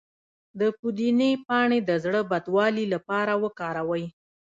د پودینې پاڼې د زړه بدوالي لپاره وکاروئ